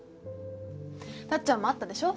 タッちゃんもあったでしょ？